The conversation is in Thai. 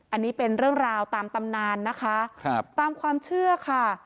อันนี้เป็นเรื่องราวตามตำนานนะคะครับตามความเชื่อค่ะ